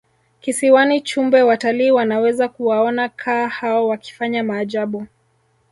kisiwani chumbe watalii wanaweza kuwaona kaa hao wakifanya maajabu